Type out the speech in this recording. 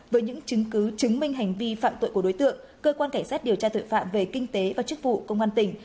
với những chứng cứ chứng minh hành vi phạm tội của đối tượng cơ quan cảnh sát điều tra tội phạm về kinh tế và chức vụ công an tỉnh